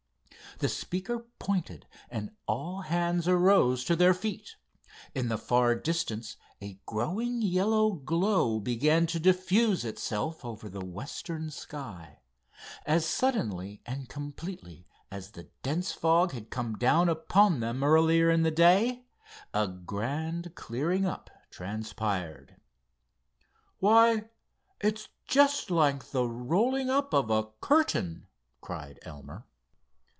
The speaker pointed, and all hands arose to their feet. In the far distance a growing yellow glow began to diffuse itself over the western sky. As suddenly and completely as the dense fog had come down upon them earlier in the day, a grand clearing up transpired. "Why, it's just like the rolling up of a curtain," cried Elmer.